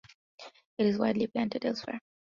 It is widely planted elsewhere.